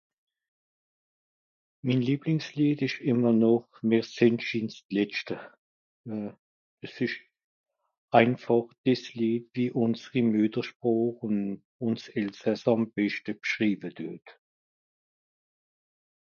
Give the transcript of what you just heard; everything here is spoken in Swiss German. mìn lieblìngs lied esch ìmmer noch mr sìn schìnst d'letschte euh à s'esch einfàch des lied die unseri mùtterspràch ùn ùns elsasser àm beschte b'schrewe deut